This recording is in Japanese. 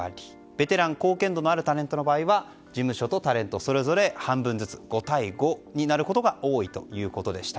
ベテラン、貢献度のあるタレントの場合は事務所とタレントそれぞれ半分ずつ５対５になることが多いということでした。